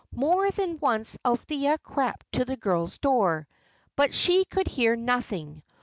More than once Althea crept to the girl's door; but she could hear nothing.